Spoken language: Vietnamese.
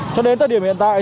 cho đến tới điểm hiện tại